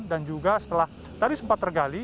dan juga setelah tadi sempat tergali